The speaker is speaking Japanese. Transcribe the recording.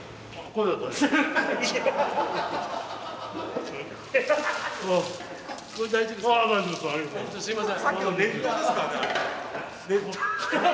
あすいません。